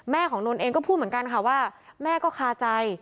ของนนท์เองก็พูดเหมือนกันค่ะว่าแม่ก็คาใจ